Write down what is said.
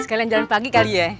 sekalian jalan pagi kali ya